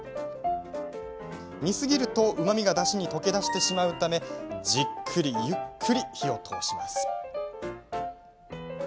煮すぎると、うまみがだしに溶け出してしまうためじっくり、ゆっくり火を通します。